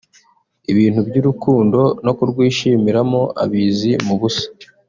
Ibintu by’urukundo no kurwishimiramo abizi mu busa